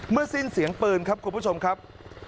สิ้นเสียงปืนครับคุณผู้ชมครับ